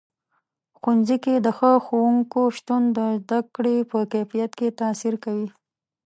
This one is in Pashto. ښوونځي کې د ښه ښوونکو شتون د زده کړې په کیفیت تاثیر کوي.